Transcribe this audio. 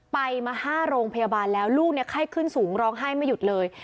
ไปมา๕โรงพยาบาลแล้วลูกไข้ขึ้นสูงร้องไห้ไม่หยุดเลย